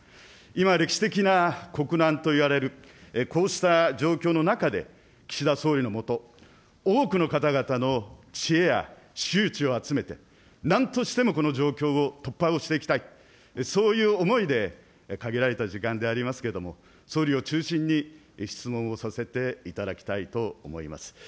今、歴史的な国難といわれるこうした状況の中で、岸田総理の下、多くの方々の知恵や衆知を集めて、なんとしてもこの状況を突破をしていきたい、そういう思いで限られた時間でありますけれども、総理を中心に質問をさせていただきたいと思います。